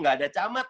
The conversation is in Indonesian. nggak ada camat